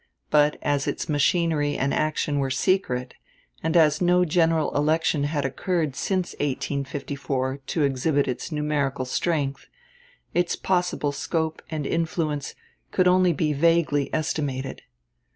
But as its machinery and action were secret, and as no general election had occurred since 1854 to exhibit its numerical strength, its possible scope and influence could only be vaguely estimated.